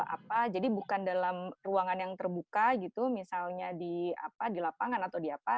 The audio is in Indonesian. apa jadi bukan dalam ruangan yang terbuka gitu misalnya di lapangan atau di apa